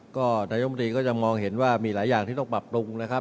ก็นายมนตรีก็จะมองเห็นว่ามีหลายอย่างที่ต้องปรับปรุงนะครับ